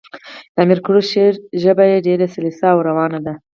د امیر کروړ شعر ژبه ئي ډېره سلیسه او روانه ده.